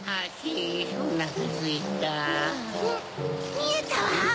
みえたわ！